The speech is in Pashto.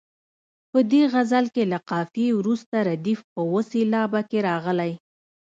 په دې غزل کې له قافیې وروسته ردیف په اوه سېلابه کې راغلی.